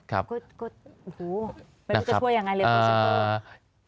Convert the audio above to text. ก็โหไม่รู้จะช่วยยังไงเลย